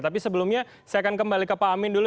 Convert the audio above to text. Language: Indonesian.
tapi sebelumnya saya akan kembali ke pak amin dulu